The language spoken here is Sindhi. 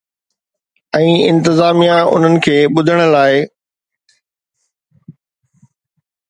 ۽ انتظاميا انهن کي ٻڌڻ لاء؟